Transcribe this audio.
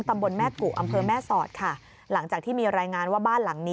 ตำบลแม่กุอำเภอแม่สอดค่ะหลังจากที่มีรายงานว่าบ้านหลังนี้